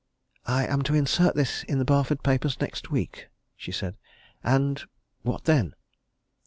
"I am to insert this in the Barford papers next week," she said. "And what then?"